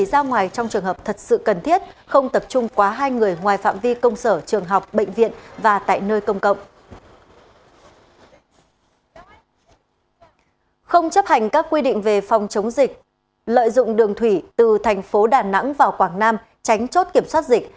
không chấp hành các quy định về phòng chống dịch lợi dụng đường thủy từ thành phố đà nẵng vào quảng nam tránh chốt kiểm soát dịch